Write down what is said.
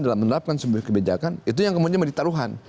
dalam menerapkan sebuah kebijakan itu yang kemudian ditaruhan